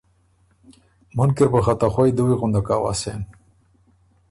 ”مُن کی ر بُو خه ته خوئ دُوی غندک اؤسېن“